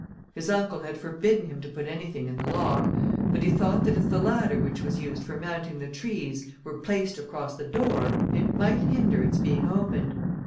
His uncle had forbidden him to put anything in the lock, but he thought that if the ladder which was used for mounting the trees, were placed across the door, it might hinder its being opened.